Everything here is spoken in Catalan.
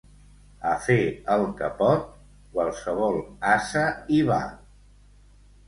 A fer el que pot, qualsevol ase hi va.